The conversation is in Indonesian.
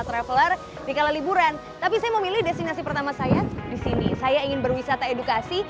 traveler di kala liburan tapi saya memilih destinasi pertama saya disini saya ingin berwisata edukasi